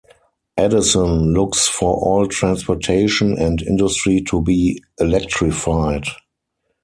Edison looks for all transportation and industry to be electrified.